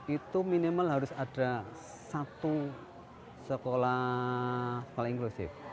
itu minimal harus ada satu sekolah sekolah inklusif